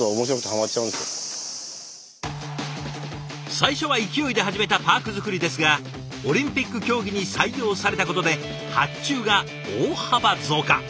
最初は勢いで始めたパーク作りですがオリンピック競技に採用されたことで発注が大幅増加。